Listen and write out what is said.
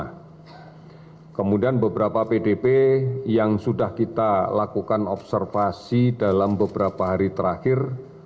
nah kemudian beberapa pdp yang sudah kita lakukan observasi dalam beberapa hari terakhir